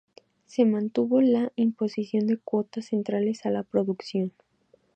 Se mantuvo la imposición de cuotas centrales a la producción.